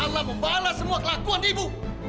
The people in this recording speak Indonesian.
allah membalas semua kelakuan ibu